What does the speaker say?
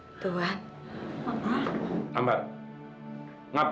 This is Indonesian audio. ya tuhan aku juga tidak sanggup